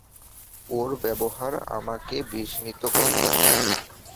ওর ব্যবহার আমাকে বিস্মিত করল।